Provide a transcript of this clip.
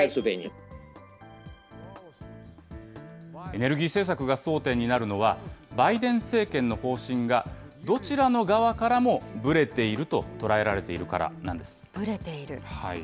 エネルギー政策が争点になるのは、バイデン政権の方針がどちらの側からもぶれていると捉えられていぶれている？